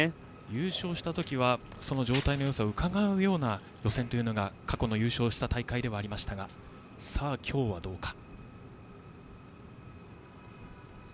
優勝した時は状態のよさをうかがうような予選というのが過去、優勝した大会ではありましたがさあ今日はどうか。